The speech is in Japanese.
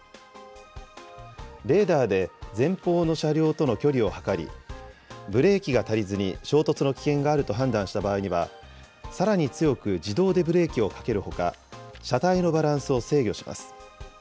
レーダーで前方の車両との距離を測り、ブレーキが足りずに衝突の危険があると判断した場合には、さらに強く自動でブレーキをかけるほか、車体のバランスを制御します。